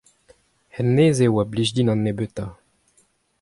hennezh eo a blij din an nebeutañ.